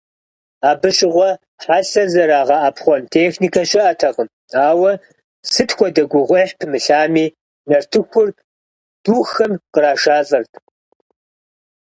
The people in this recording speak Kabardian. Абы щыгъуэ хьэлъэ зэрагъэӏэпхъуэн техникэ щыӏэтэкъым, ауэ, сыт хуэдэ гугъуехь пымылъами, нартыхур духэм кърашалӏэрт.